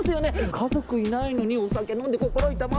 家族いないのにお酒飲んで心痛まないんですか？